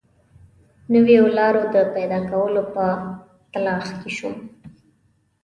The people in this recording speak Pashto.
نویو لارو د پیدا کولو په تلاښ کې شوم.